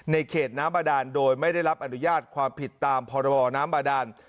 เขตน้ำบาดานโดยไม่ได้รับอนุญาตความผิดตามพรบน้ำบาดาน